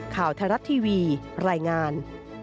ข่าวไทยรัฐทีวีรายงาน